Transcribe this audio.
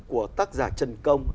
của tác giả trần công